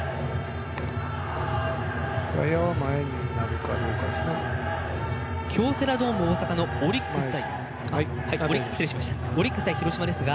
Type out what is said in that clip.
外野を前にやるかどうかですね。